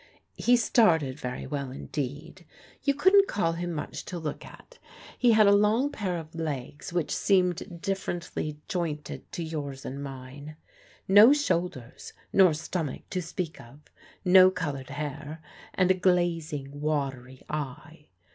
He started very well indeed. You couldn't call him much to look at; he had a long pair of legs which seemed differently jointed to yours and mine; no shoulders nor stomach to speak of, no coloured hair, and a glazing, watery eye.